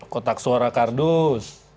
kotak suara kardus